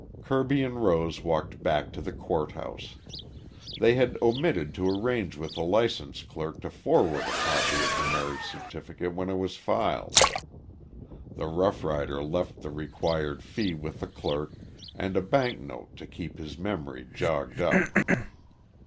Kirby and Rose walked back to the court house. They had omitted to arrange with the license clerk to forward a copy of the marriage certificate when it was filed. The rough rider left the required fee with the clerk and a bank note to keep his memory jogged up.